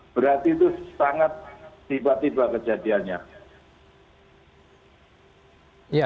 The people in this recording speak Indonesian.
berarti itu sangat tiba tiba kejadiannya